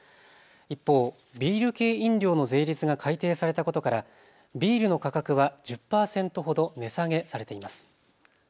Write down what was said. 一方、ビール系飲料の税率が改定されたことからビールの価格は１０％ほど値下げされています。